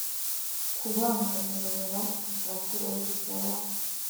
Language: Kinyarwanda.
Kubangamira ububasha bwa Perezida wa